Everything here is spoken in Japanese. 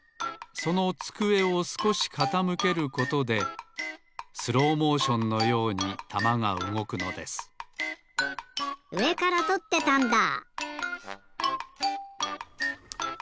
そのつくえをすこしかたむけることでスローモーションのようにたまがうごくのですうえからとってたんだ！